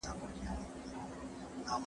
لوښي وچ کړه